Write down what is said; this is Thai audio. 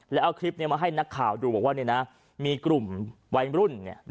แล้วเอาคลิปเนี่ยมาให้นักข่าวดูบอกว่าเนี่ยนะมีกลุ่มวัยรุ่นเนี่ย